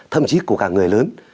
thậm chí của cả người lớn